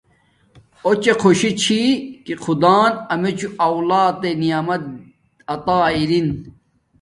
اݹچے خوشی چھی کہ خدان امیچوں اولاد نعمیت عطا ارین